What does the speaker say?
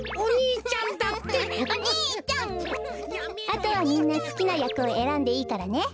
あとはみんなすきなやくをえらんでいいからね。